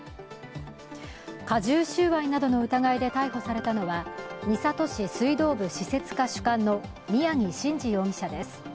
加重収賄などの疑いで逮捕されたのは三郷市水道部施設課主幹の宮城真司容疑者です。